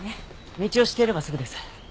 道を知っていればすぐです。